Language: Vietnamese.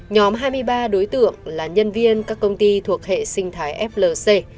nhóm hai mươi ba đối tượng là nhân viên các công ty thuộc hệ sinh thái flc